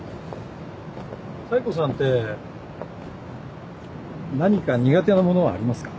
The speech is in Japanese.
妙子さんって何か苦手なものはありますか？